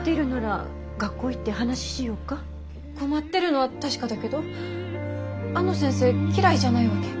困ってるのは確かだけどあの先生嫌いじゃないわけ。